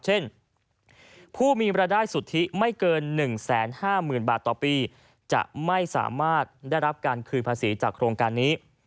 เช่นผู้มีรายได้สุทธิไม่เกิน๑๕๐๐๐บาทต่อปีจะไม่สามารถได้รับการคืนภาษีจากโครงการนี้